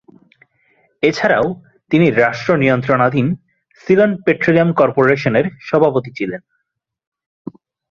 এছাড়াও তিনি রাষ্ট্র নিয়ন্ত্রণাধীন সিলন পেট্রোলিয়াম কর্পোরেশনের সভাপতি ছিলেন।